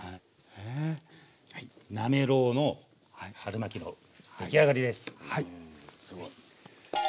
はいなめろうの春巻の出来上がりです。